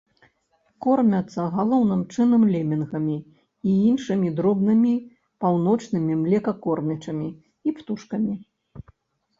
Кормяцца галоўным чынам лемінгамі і іншымі дробнымі паўночнымі млекакормячымі і птушкамі.